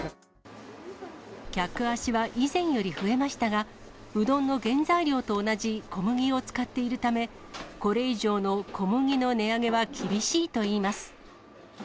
客足は以前より増えましたが、うどんの原材料と同じ小麦を使っているため、これ以上の小麦の値上げは厳しいといいます。